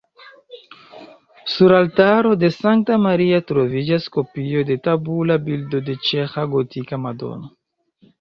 Sur altaro de Sankta Maria troviĝas kopio de tabula bildo de ĉeĥa gotika Madono.